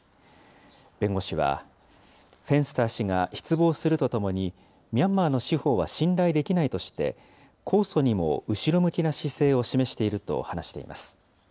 弁護士は、フェンスター氏が失望するとともに、ミャンマーの司法は信頼できないとして、控訴にも後ろ向きな姿勢を示していると話しています。